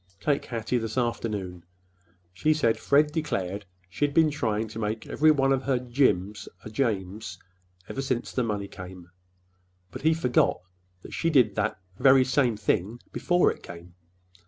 Take Hattie this afternoon. She said that Fred declared she'd been trying to make every one of her 'Jims' a 'James,' ever since the money came. But he forgot that she did that very same thing before it came.